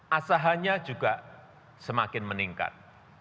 asahannya juga semakin meningkat